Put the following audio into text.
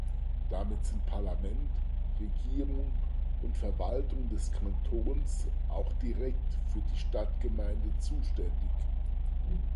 Damit sind Parlament, Regierung und Verwaltung des Kantons auch direkt für die Stadtgemeinde zuständig.